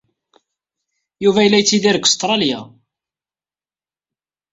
Yuba yella yettidir deg Ustṛalya.